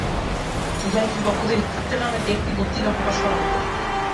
সোসাইটির পক্ষ থেকে 'চিত্রা' নামে একটি পত্রিকা প্রকাশ করা হত।